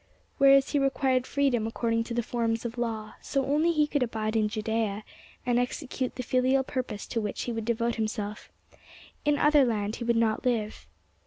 Whereas he required freedom according to the forms of law, so only could he abide in Judea and execute the filial purpose to which he would devote himself: in other land he would not live.